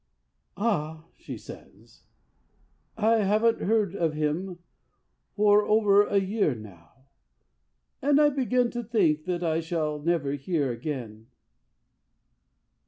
'Ah!' she says, 'I haven't heard of him for over a year now, and I begin to think that I shall never hear again.'